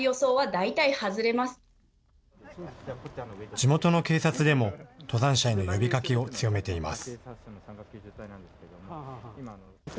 地元の警察でも登山者への呼びかけを強めています。